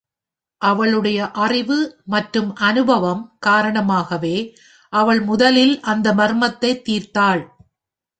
அவளுடைய அறிவு மற்றும் அனுபவம் காரணமாகவே அவள் முதலில் அந்த மர்மத்தை தீர்த்தாள்.